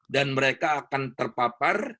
dan mereka akan terpapar